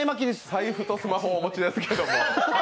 財布とスマホをお持ちですけども。